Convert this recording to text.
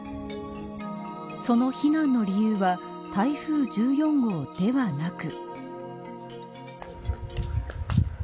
その避難の理由は台風１４号ではなく。